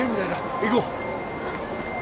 行こう。